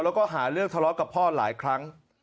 แล้วก็หาเรื่องทะเลาะกับพ่อหลายครั้ง